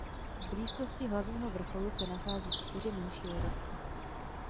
V blízkosti hlavního vrcholu se nachází čtyři menší ledovce.